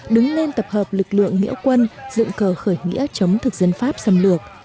đứng lên tập hợp lực lượng nghĩa quân dựng cờ khởi nghĩa chống thực dân pháp xâm lược